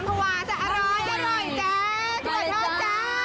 เผื่อทอดจ้า